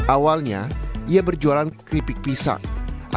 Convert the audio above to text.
awalnya ia berjualan di kota kedengar